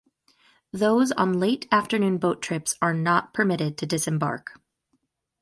Those on late afternoon boat trips are not permitted to disembark.